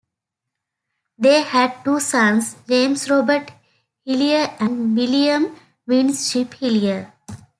They had two sons: James Robert Hillier and William Wynship Hillier.